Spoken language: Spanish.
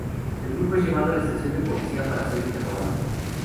El grupo es llevado a la estación de policía para ser interrogado.